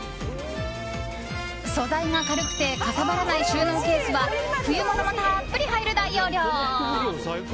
素材が軽くてかさばらない収納ケースは冬物もたっぷり入る大容量。